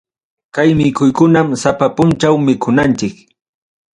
Kay mikuykunam sapa punchaw mikunanchik.